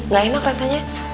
gak enak rasanya